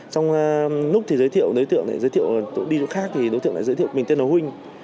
trong lúc thì giới thiệu đối tượng để giới thiệu tôi đi chỗ khác thì đối tượng lại giới thiệu mình tên là huynh